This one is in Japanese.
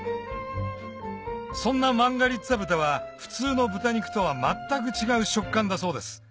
そんなマンガリッツァ豚は普通の豚肉とは全く違う食感だそうです